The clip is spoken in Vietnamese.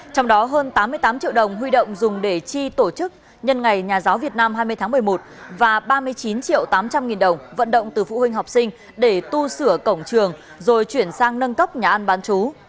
trong đó hơn tám mươi tám triệu đồng huy động dùng để chi tổ chức nhân ngày nhà giáo việt nam hai mươi tháng một mươi một và ba mươi chín triệu tám trăm linh nghìn đồng vận động từ phụ huynh học sinh để tu sửa cổng trường rồi chuyển sang nâng cấp nhà ăn bán chú